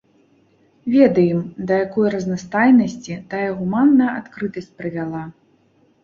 Ведаем, да якой разнастайнасці тая гуманная адкрытасць прывяла.